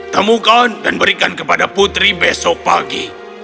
temukan dan berikan kepada putri besok pagi